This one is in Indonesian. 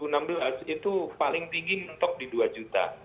nah dua ribu empat belas dua ribu enam belas itu paling tinggi mentok di dua juta